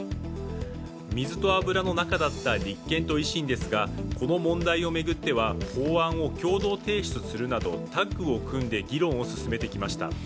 水と油の仲だった立憲と維新ですがこの問題を巡っては法案を共同提出するなどタッグを組んで議論を進めてきました。